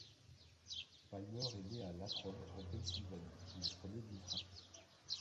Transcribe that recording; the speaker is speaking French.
Palmer est né à Latrobe en Pennsylvanie, le premier d'une fratrie.